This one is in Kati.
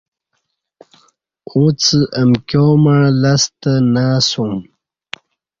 اݩڅ امکیاں مع لستہ نہ اسوم۔